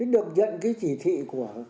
được nhận cái chỉ thị của